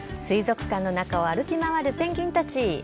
水族館の中を歩き回るペンギンたち。